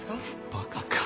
バカか。